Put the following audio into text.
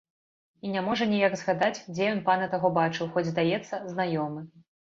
І не можа ніяк згадаць, дзе ён пана таго бачыў, хоць, здаецца, знаёмы.